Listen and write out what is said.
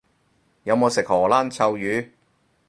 有冇食荷蘭臭魚？